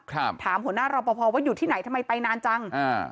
ถามหัวหน้ารอปภว่าอยู่ที่ไหนทำไมไปนานจังอ่า